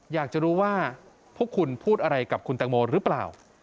อยากจะรู้ว่าพวกคุณพูดอะไรกับคุณตังโมหรือเปล่า